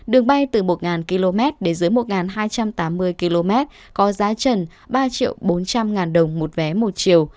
đường bay từ một km đến dưới một hai trăm tám mươi km có giá trần ba bốn trăm linh ngàn đồng một vé một chiều